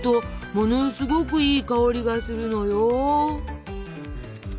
ものすごくいい香りがするのよ。